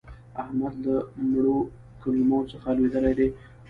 احمد له مړو کلمو څخه لوېدلی دی.